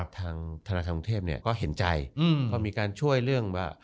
ทางธนาคารกรุงเทพก็เห็นใจก็มีการช่วยเรื่องว่า